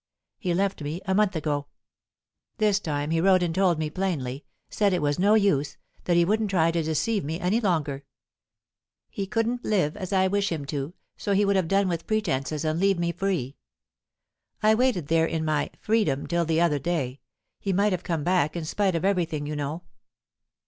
He left me a month ago. This time he wrote and told me plainly said it was no use, that he wouldn't try to deceive me any longer. He couldn't live as I wish him to, so he would have done with pretences and leave me free. I waited there in my 'freedom' till the other day; he might have come back, in spite of everything, you know.